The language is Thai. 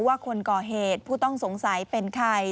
ว่าคนก่อเหตุผู้ต้องสงสัยเป็นใคร